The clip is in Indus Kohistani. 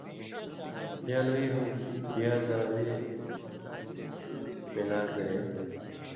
یا لُوہی ہُون٘دُوں کھیں پیازاں وے ماݜی ملی ملا گلے